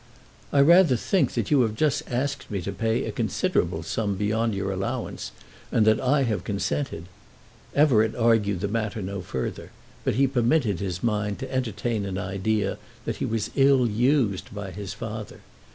"I rather think that you have just asked me to pay a considerable sum beyond your allowance, and that I have consented." Everett argued the matter no further, but he permitted his mind to entertain an idea that he was ill used by his father.